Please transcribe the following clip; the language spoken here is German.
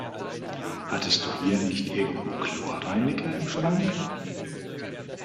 Hattest du hier nicht irgendwo Chlorreiniger im Schrank?